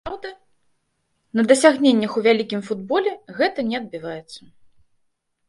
Што праўда, на дасягненнях у вялікім футболе гэта не адбіваецца.